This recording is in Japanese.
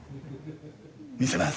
見せます！